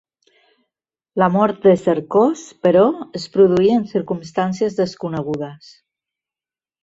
La mort de Cercós, però, es produí en circumstàncies desconegudes.